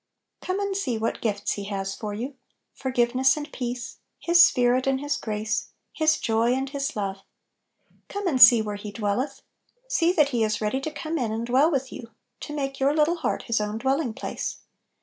Come and see what gifts He has for you, for giveness and peace, His Spirit and His grace, His joy and His love! Come Little Pillows. 51 and see where He dwelleth — see that He is ready to come in and dwell with you, to make your little heart His own dwelling place.